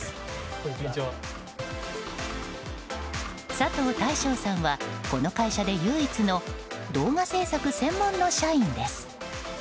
佐藤大将さんはこの会社で唯一の動画制作専門の社員です。